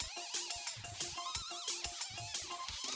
masa tadi siang udah nggak makan